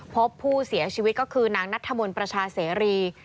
พบผู้เสียชีวิตก็คือนางนัทธมนต์ประชาเสรี